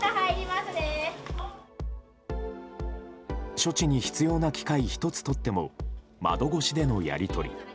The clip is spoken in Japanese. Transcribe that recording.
処置に必要な機械１つとっても窓越しでのやり取り。